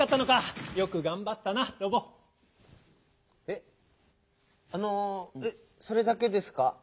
えっあのそれだけですか？